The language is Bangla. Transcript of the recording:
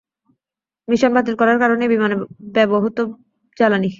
মিশন বাতিল করার কারণ, ওই বিমানে ব্যবহূত জ্বালানি।